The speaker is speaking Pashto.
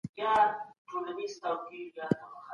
موږ هم بايد د پوهې په لور ولاړ سو.